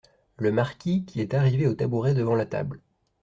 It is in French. Le marquis , qui est arrivé au tabouret devant la table.